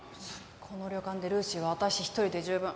この旅館でルーシーは私一人で十分。